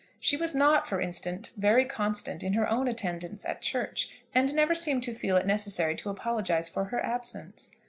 She was not, for instance, very constant in her own attendance at church, and never seemed to feel it necessary to apologise for her absence.